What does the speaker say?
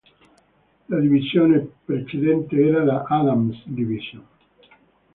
La divisione precedente era la Adams Division.